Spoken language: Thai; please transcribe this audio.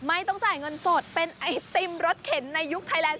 ไม่ต้องจ่ายเงินสดเป็นไอติมรถเข็นในยุคไทยแลนด